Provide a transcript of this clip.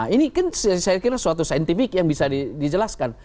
ini kan saya kira suatu saintifik yang bisa dijelaskan